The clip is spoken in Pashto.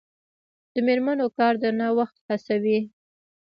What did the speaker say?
د میرمنو کار د نوښت هڅوي.